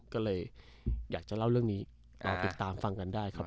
ก็เลยอยากจะเล่าเรื่องนี้ติดตามฟังกันได้ครับ